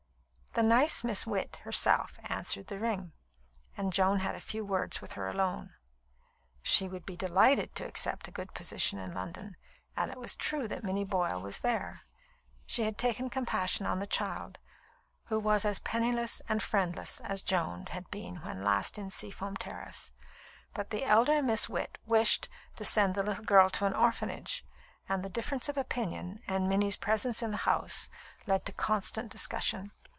The nice Miss Witt herself answered the ring, and Joan had a few words with her alone. She would be delighted to accept a good position in London; and it was true that Minnie Boyle was there. She had taken compassion on the child, who was as penniless and friendless as Joan had been when last in Seafoam Terrace; but the elder Miss Witt wished to send the little girl to an orphanage, and the difference of opinion, and Minnie's presence in the house, led to constant discussion.